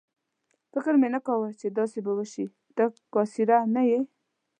فکر مې نه کاوه چې داسې به وشي، ته کاسېره نه یې.